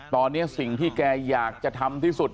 ตอนนี้สิ่งที่แกอยากจะทำที่สุด